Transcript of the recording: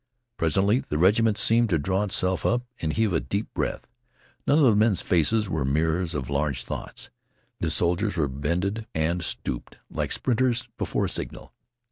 Presently, the regiment seemed to draw itself up and heave a deep breath. None of the men's faces were mirrors of large thoughts. The soldiers were bended and stooped like sprinters before a signal.